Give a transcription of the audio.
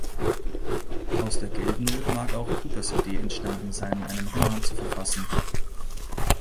Aus der Geldnot mag auch Coopers Idee entstanden sein, einen Roman zu verfassen.